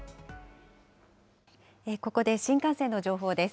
ここで新幹線の情報です。